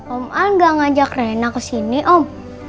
om aung gak ngajak reyna kesini om